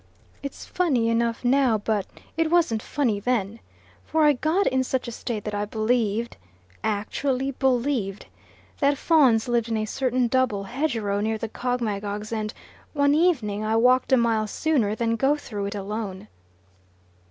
It's funny enough now, but it wasn't funny then, for I got in such a state that I believed, actually believed, that Fauns lived in a certain double hedgerow near the Cog Magogs, and one evening I walked a mile sooner than go through it alone."